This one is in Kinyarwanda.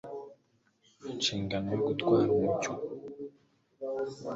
inshingano yo gutwara umucyo